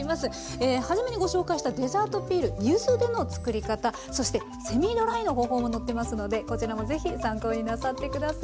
え初めにご紹介したデザートピール柚子でのつくり方そしてセミドライの方法も載ってますのでこちらもぜひ参考になさって下さい。